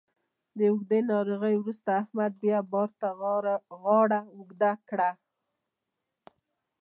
له اوږدې ناروغۍ وروسته احمد بیا بار ته غاړه اوږده کړه.